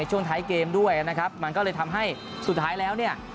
ช่วงท้ายเกมด้วยนะครับมันก็เลยทำให้สุดท้ายแล้วเนี่ย